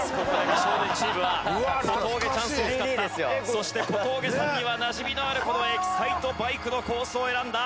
そして小峠さんにはなじみのあるこのエキサイトバイクのコースを選んだ。